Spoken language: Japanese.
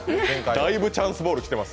だいぶチャンスボール来てます。